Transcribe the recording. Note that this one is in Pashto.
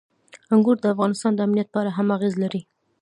انګور د افغانستان د امنیت په اړه هم اغېز لري.